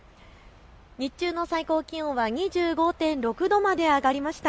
日中の最高気温は２５．６度まで上がりました。